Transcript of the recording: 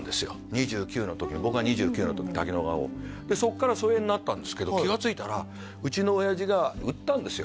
２９の時に僕が２９の時滝野川をそっから疎遠になったんですけど気がついたらうちの親父が売ったんですよ